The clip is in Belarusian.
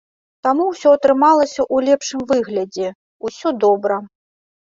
Таму ўсё атрымалася ў лепшым выглядзе, усё добра.